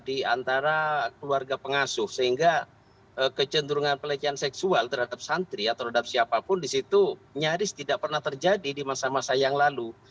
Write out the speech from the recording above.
di antara keluarga pengasuh sehingga kecenderungan pelecehan seksual terhadap santri atau terhadap siapapun disitu nyaris tidak pernah terjadi di masa masa yang lalu